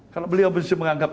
kalau beliau bersih menganggap